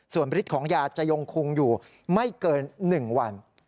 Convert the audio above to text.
ส่วนฤทธิ์ของยาจะยงคุงอยู่ไม่เกิน๑วัน